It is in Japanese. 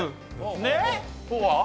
ねっ？